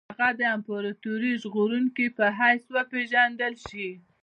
هغه د امپراطوري ژغورونکي په حیث وپېژندل شي.